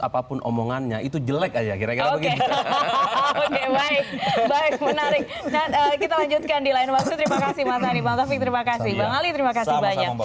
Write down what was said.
apapun omongannya itu jelek aja kira kira oke oke baik baik menarik kita lanjutkan di lain